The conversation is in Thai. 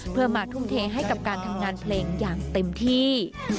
เพื่อมาทุ่มเทให้กับการทำงานเพลงอย่างเต็มที่